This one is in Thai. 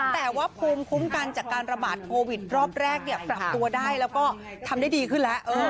แต่ว่าภูมิคุ้มกันจากการระบาดโควิดรอบแรกปรับตัวได้แล้วก็ทำได้ดีขึ้นแล้ว